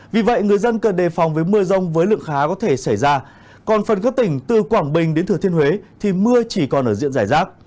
vì vậy người dân cần đề phòng với mưa rong với lượng khá có thể xảy ra